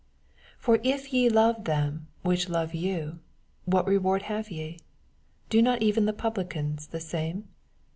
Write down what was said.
46 For if ye love them which love yoa, what reward have yef do not even the publicans the same